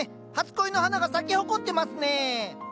初恋の花が咲き誇ってますね！